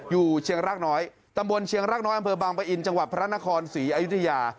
เชียงรากน้อยตำบลเชียงรากน้อยอำเภอบางปะอินจังหวัดพระนครศรีอยุธยา